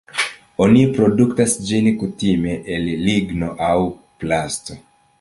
Oni produktas ĝin kutime el ligno aŭ plasto.